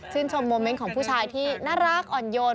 ชมโมเมนต์ของผู้ชายที่น่ารักอ่อนโยน